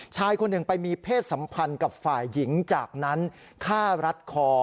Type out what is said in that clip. ชายคนหนึ่งไปมีเพศสัมพันธ์กับฝ่ายหญิงจากนั้นฆ่ารัดคอ